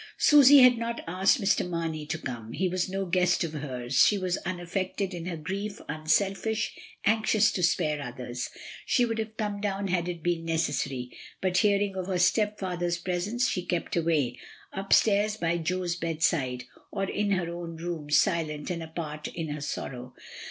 Susy had not asked Mr. Mamey to come; he was no guest of hers; she was unaffected in her grief, unselfish, anxious to spare others. She would have come down had it been necessary, but hearing of her stepfather's presence, she kept away, upstairs by Jo's bedside, or in her own room, silent, and apart in her sorrow.